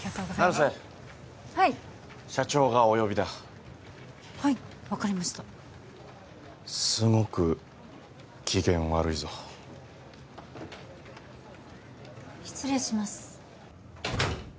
成瀬はい社長がお呼びだはい分かりましたすごく機嫌悪いぞ失礼します